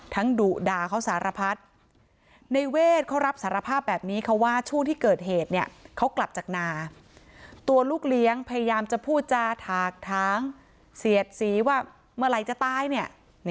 ดุด่าเขาสารพัดในเวทเขารับสารภาพแบบนี้ค่ะว่าช่วงที่เกิดเหตุเนี่ยเขากลับจากนาตัวลูกเลี้ยงพยายามจะพูดจาถากท้างเสียดสีว่าเมื่อไหร่จะตายเนี่ย